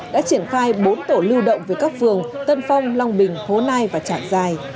đã triển khai bốn tổ lưu động về các phường tân phong long bình hố nai và trạng giài